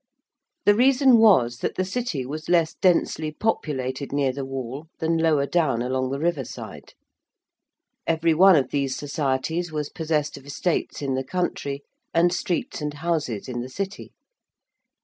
The reason was that the City was less densely populated near the wall than lower down along the river side. Every one of these Societies was possessed of estates in the country and streets and houses in the City.